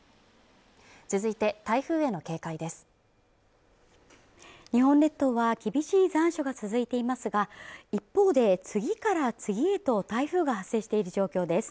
続いて台風への警戒です日本列島は厳しい残暑が続いていますが一方で次から次へと台風が発生している状況です